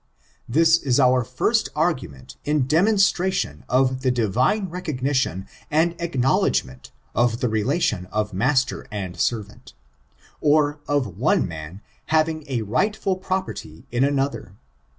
This is our first argument in demonstration of the divine recognition and acknowledg ment of the relation of master and servant, or of one man having a rightful property in another.